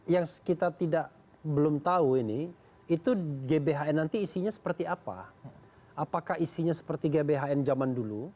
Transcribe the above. yang kita belum tahu ini itu gbhn nanti isinya seperti apa apakah isinya seperti gbhn zaman dulu